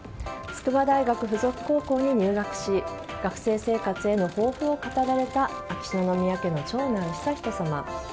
筑波大学附属高校に入学し学生生活への抱負を語られた秋篠宮家の長男・悠仁さま。